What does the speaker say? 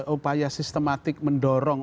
upaya sistematik mendorong